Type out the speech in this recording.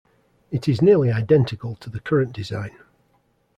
It is nearly identical to the current design.